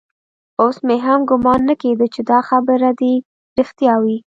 اوس مې هم ګومان نه کېده چې دا خبرې دې رښتيا وي.